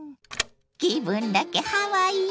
気分だけハワイよ。